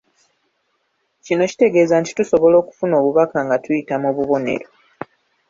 Kino kitegeeza nti tusobola okufuna obubaka nga tuyita mu bubonero.